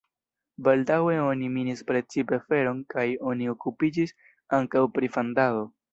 Baldaŭe oni minis precipe feron kaj oni okupiĝis ankaŭ pri fandado.